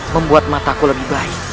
membuat mataku lebih baik